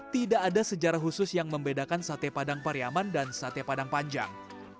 tidak ada sejarah khusus yang membedakan sate padang pariaman dan sate padang panjang